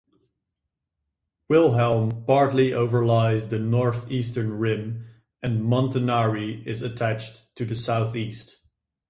Wilhelm partly overlies the northeastern rim, and Montanari is attached to the southeast.